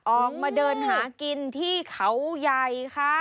ออกมาเดินหากินที่เขาใหญ่ค่ะ